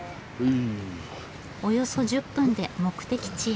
およそ１０分で目的地へ。